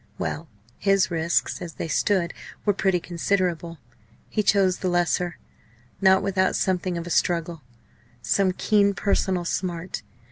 Well! his risks, as they stood, were pretty considerable. He chose the lesser not without something of a struggle, some keen personal smart.